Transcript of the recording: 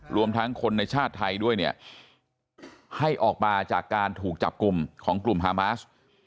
รวมทั้งคนในชาติไทยด้วยเนี่ยให้ออกมาจากการถูกจับกลุ่มของกลุ่มฮามาส